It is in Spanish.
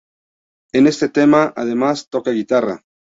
En este tema además toca guitarra.